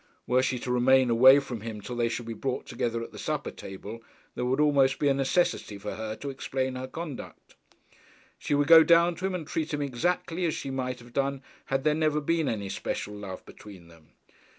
Were she to remain away from him till they should be brought together at the supper table, there would almost be a necessity for her to explain her conduct. She would go down to him and treat him exactly as she might have done, had there never been any special love between them.